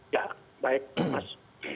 ya baik mas